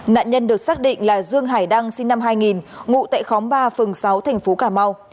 nạn nhân được xác định là dương hải đăng sinh năm hai nghìn ngụ tại khóm ba phường sáu thành phố cà mau